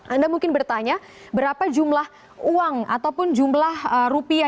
anda mungkin bertanya berapa jumlah uang ataupun jumlah rupiah